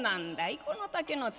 この竹の筒」。